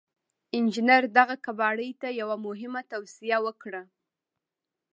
انجنير دغه کباړي ته يوه مهمه توصيه وکړه.